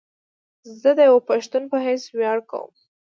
زه ديوه پښتون په حيث وياړ کوم